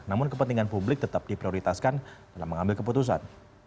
namun kepentingan publik tetap diprioritaskan dalam mengambil keputusan